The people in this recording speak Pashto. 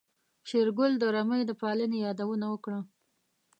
شېرګل د رمې د پالنې يادونه وکړه.